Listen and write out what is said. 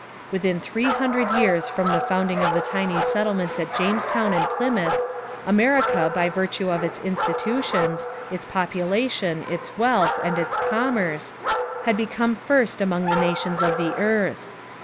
Within three hundred years from the founding of the tiny settlements at Jamestown and Plymouth, America, by virtue of its institutions, its population, its wealth, and its commerce, had become first among the nations of the earth.